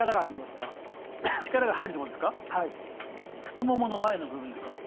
太ももの前の部分ですかね。